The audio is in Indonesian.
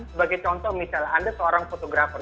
sebagai contoh misalnya anda seorang fotografer